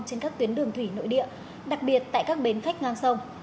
trên các tuyến đường thủy nội địa đặc biệt tại các bến khách ngang sông